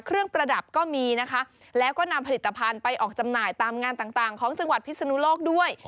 ประดับก็มีนะคะแล้วก็นำผลิตภัณฑ์ไปออกจำหน่ายตามงานต่างของจังหวัดพิศนุโลกด้วย